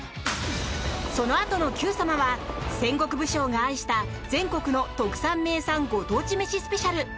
そのあとの「Ｑさま！！」は戦国武将が愛した全国の特産・名産ご当地めしスペシャル。